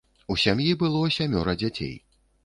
У сям'і было сямёра дзяцей.